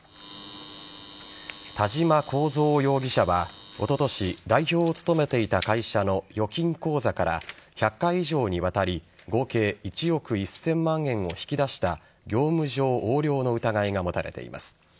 田嶋幸三容疑者はおととし、代表を務めていた会社の預金口座から１００回以上にわたり合計１億１０００万円を引き出した業務上横領の疑いが持たれています。